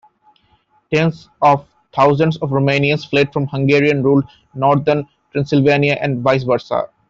Tens of thousands of Romanians fled from Hungarian-ruled Northern Transylvania, and vice versa.